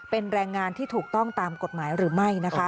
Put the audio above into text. เป็นแรงงานที่ถูกต้องตามกฎหมายหรือไม่นะคะ